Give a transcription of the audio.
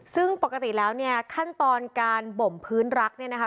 ซึ่งปกติแล้วเนี่ยขั้นตอนการบ่มพื้นรักเนี่ยนะคะ